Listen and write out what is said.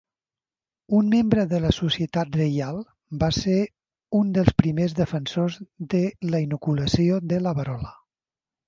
Un membre de la Societat Reial, va ser un dels primers defensors de la inoculació de la verola.